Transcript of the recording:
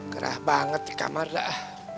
gerah banget di kamar dah